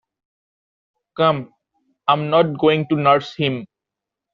Come, I’m not going to nurse him.